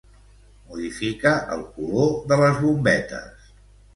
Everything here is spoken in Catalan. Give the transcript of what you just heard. Modifica el color de les bombetes.